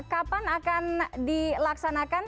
kapan akan dilaksanakan